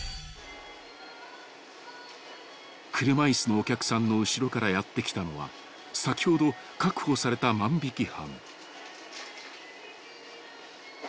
［車椅子のお客さんの後ろからやって来たのは先ほど確保された万引犯］